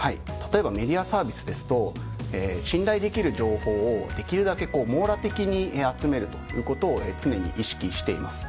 例えばメディアサービスですと信頼できる情報をできるだけ網羅的に集めるということを常に意識しています。